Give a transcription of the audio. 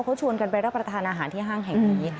เขาชวนกันไปรับประทานอาหารที่ห้างแห่งนี้